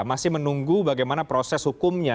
masih menunggu bagaimana proses hukumnya